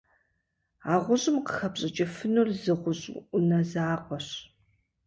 А гъущӀым къыхэпщӀыкӀыфынур зы гъущӀ Ӏунэ закъуэщ.